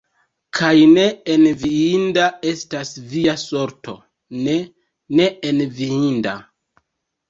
Kaj ne enviinda estas via sorto, ne, ne enviinda!